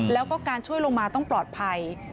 แล้วก็การช่วยลงมาต้องปลอดภัย